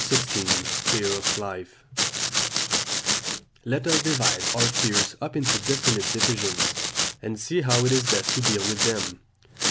XVI FEAR OF LIFE Let us divide our fears up into definite divisions, and see how it is best to deal with them.